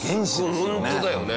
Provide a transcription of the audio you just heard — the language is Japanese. ホントだよね。